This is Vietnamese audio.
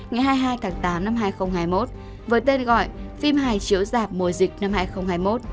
ngày hai mươi hai tháng tám năm hai nghìn hai mươi một với tên gọi phim hài chiếu dạp mùa dịch năm hai nghìn hai mươi một